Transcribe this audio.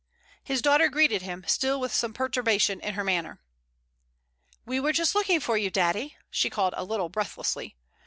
His daughter greeted him, still with some perturbation in her manner. "We were just looking for you, daddy," she called a little breathlessly.